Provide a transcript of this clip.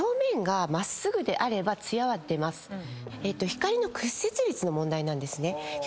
光の屈折率の問題なんですね。